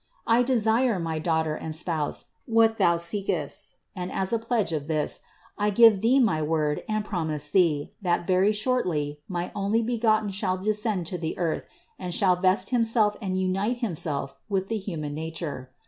I desire, my Daughter and Spouse, what thorn seekest ; and as a pledge of this, I give thee my word and promise thee, that very shortly my Onlybegotten shall descend to the earth and shall vest Himself and unite Himself with the human nature.